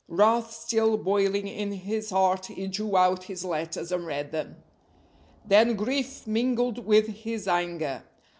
Wrath still boiling in his heart, he drew out his letters and read them. Then grief mingled with his anger.